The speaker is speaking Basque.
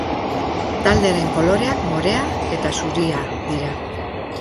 Taldearen koloreak morea eta zuria dira.